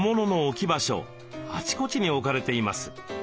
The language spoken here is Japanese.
あちこちに置かれています。